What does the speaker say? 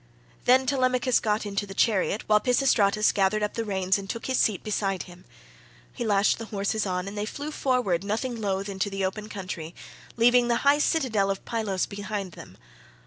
Then Telemachus got into the chariot, while Pisistratus gathered up the reins and took his seat beside him. He lashed the horses on and they flew forward nothing loth into the open country, leaving the high citadel of Pylos behind them.